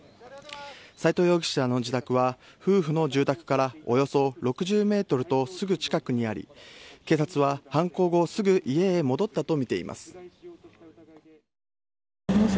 斎藤容疑者の自宅は夫婦の住宅からおよそ６０メートルとすぐ近くにあり、警察は、犯行後、すぐ家へ戻ったと見ています。